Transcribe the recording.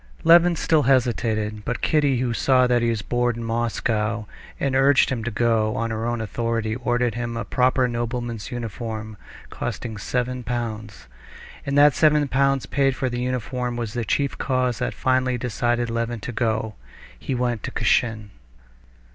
Levin still hesitated, but Kitty, who saw that he was bored in Moscow, and urged him to go, on her own authority ordered him the proper nobleman's uniform, costing seven pounds. And that seven pounds paid for the uniform was the chief cause that finally decided Levin to go. He went to Kashin....